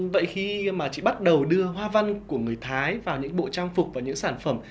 vậy khi mà chị bắt đầu đưa hoa văn của người thái vào những bộ trang phục và những sản phẩm